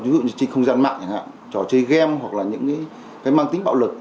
ví dụ như trên không gian mạng trò chơi game hoặc là những cái mang tính bạo lực